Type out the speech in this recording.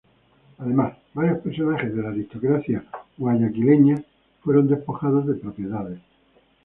Además, varios personajes de la aristocracia guayaquileña fueron despojados de propiedades.